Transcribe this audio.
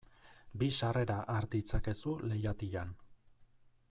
Bi sarrera har ditzakezu leihatilan.